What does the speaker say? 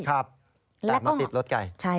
ครับแต่มาติดรถไกล